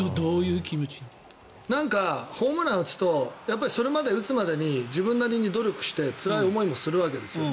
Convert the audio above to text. なんかホームラン打つとそれまで打つまでに自分なりに努力してつらい思いもするわけですよ。